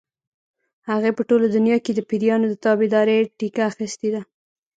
هغې په ټوله دنیا کې د پیریانو د تابعدارۍ ټیکه اخیستې ده.